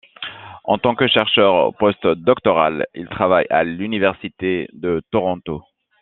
En tant que chercheur post-doctoral, il travaille à l'Université de Toronto.